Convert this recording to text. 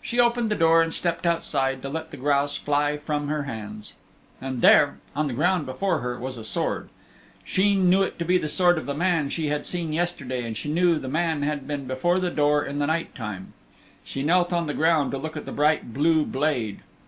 She opened the door and stepped outside to let the grouse fly from her hands. And there, on the ground before her was a sword! Sheen knew it to be the sword of the man she had seen yesterday, and she knew the man had been before the door in the night time. She knelt on the ground to look at the bright blue blade.